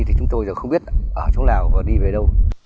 thì chúng tôi giờ không biết ở chỗ nào và đi về đâu